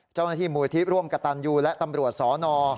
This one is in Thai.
เจ้าหน้าที่มูลที่ร่วมกระตันยูและตำรวจสน